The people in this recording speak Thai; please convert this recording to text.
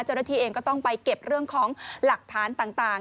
เจ้าหน้าที่เองก็ต้องไปเก็บเรื่องของหลักฐานต่าง